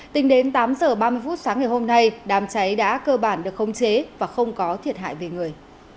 tính đến tám h ba mươi phút sáng ngày hôm nay đám cháy đã cơ bản được không chế và không có thiệt hại về người